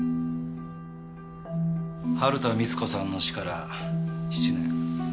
春田美津子さんの死から７年。